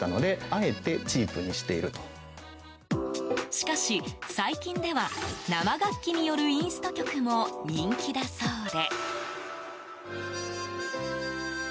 しかし、最近では生楽器によるインスト曲も人気だそうで。